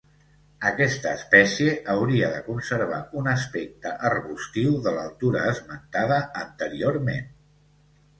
Aquesta espècie hauria de conservar un aspecte arbustiu de l'altura esmentada anteriorment.